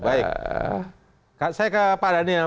saya ke pak daniel